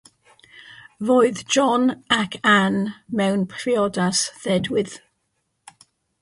Roedd John ac Anne mewn priodas ddedwydd.